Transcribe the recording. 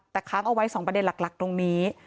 แต่ค้างเอาไว้๒ประเด็นหลักตรงนี้